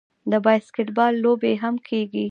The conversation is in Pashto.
د باسکیټبال لوبې هم کیږي.